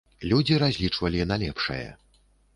Людзі разлічвалі на лепшае.